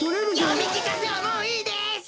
よみきかせはもういいです！